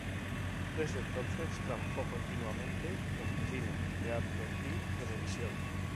Desde entonces trabajó continuamente en cine, teatro y televisión.